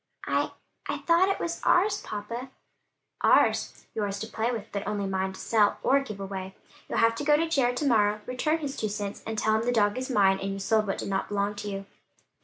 "I I thought it was ours, papa." "Ours? Yours to play with, but only mine to sell or give away. You'll have to go to Jared to morrow, return his two cents, and tell him the dog is mine, and you sold what did not belong to you."